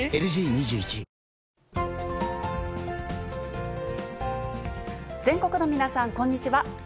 ２１全国の皆さん、こんにちは。